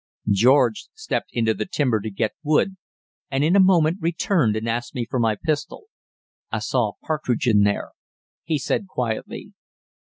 George stepped into the timber to get wood, and in a moment returned and asked me for my pistol. "I saw a partridge in there," he said quietly.